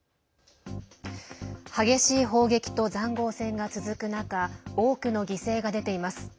激しい砲撃とざんごう戦が続く中多くの犠牲が出ています。